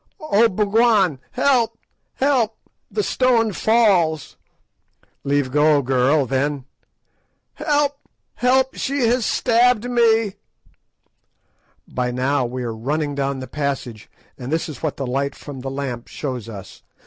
"Oh, Bougwan! help! help! the stone falls!" "Leave go, girl! Then—" "Help! help! she has stabbed me!" By now we are running down the passage, and this is what the light from the lamp shows us.